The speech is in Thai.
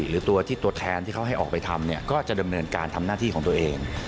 หรือตัวที่ตัวแทนที่เขาให้ออกไปทำเนี่ยก็จะดำเนินการทำหน้าที่ของตัวเอง